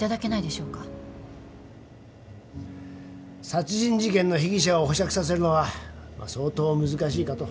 殺人事件の被疑者を保釈させるのは相当難しいかと。